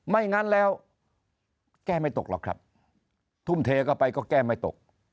ไม่งั้นแล้วแก้ไม่ตกหรอกครับทุ่มเทเข้าไปก็แก้ไม่ตก